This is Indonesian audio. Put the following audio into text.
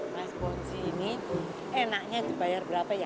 mas bonji ini enaknya dibayar berapa ya